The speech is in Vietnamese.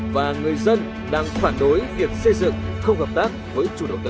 và người dân đang phản đối việc xây dựng không hợp tác với chủ đầu tư